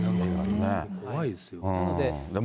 怖いですよね。